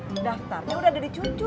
aduh daftarnya udah ada di cucu